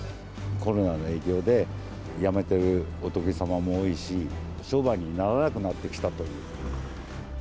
コロナの影響で、やめてるお得意様も多いし、商売にならなくなってきたという。